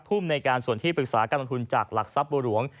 ภูมิในการส่วนที่ปรึกษาการลงทุนจากหลักทรัพย์บัวหลวง